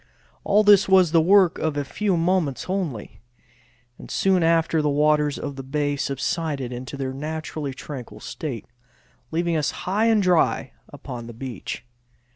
All this was the work of a few moments only, and soon after the waters of the bay subsided into their naturally tranquil state, leaving us high and dry upon the beach.